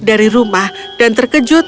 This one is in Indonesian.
dari rumah dan terkejut